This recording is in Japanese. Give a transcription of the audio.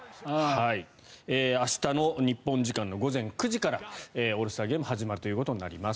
明日の日本時間の午前９時からオールスターゲーム始まるということになります。